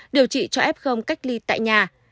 điều trị cho f cách ly tại nhà